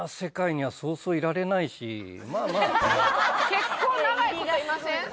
結構長い事いません？